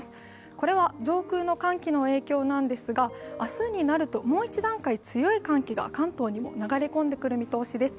これは上空の寒気の影響なんですが明日になるともう一段階強い寒気が関東にも流れ込んでくる見通しです。